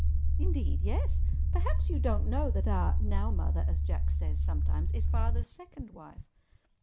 "Indeed, yes. Perhaps you don't know that our 'now mother,' as Jack says sometimes, is Father's second wife.